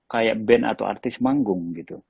kayak band atau artis manggung gitu